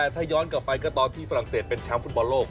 ต่อไปก็ตอนที่ฝรั่งเศสเป็นชามฟุตบอลโลก